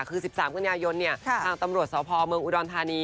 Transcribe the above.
คือ๑๓กันยายนเนี่ยทางตำรวจสาวพอร์เมืองอุดรณฑานี